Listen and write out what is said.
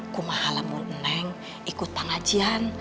aku mahala mu neng ikut pengajian